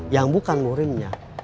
yang bukan ngurimnya